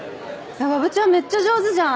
わぶちゃんめっちゃ上手じゃん